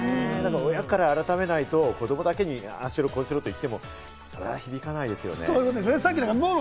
親から改めないと、子供だけにああしろこうしろと言っても、そりゃあ響かないですよね。